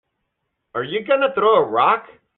Are you gonna throw a rock?